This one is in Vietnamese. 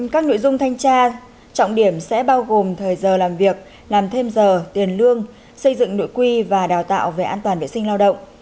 các nội dung thanh tra trọng điểm sẽ bao gồm thời giờ làm việc làm thêm giờ tiền lương xây dựng nội quy và đào tạo về an toàn vệ sinh lao động